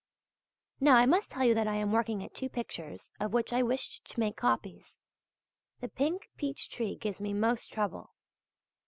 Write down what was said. Now I must tell you that I am working at two pictures of which I wished to make copies. The pink peach tree gives me most trouble.